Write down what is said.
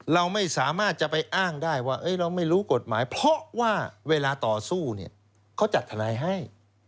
เราไม่สามารถจะไปอ้างได้ว่าเราไม่รู้กฎหมายเพราะว่าเวลาต่อสู้เนี่ยเขาจัดทนายให้